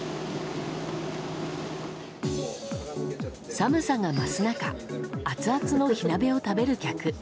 寒さが増す中アツアツの火鍋を食べる客。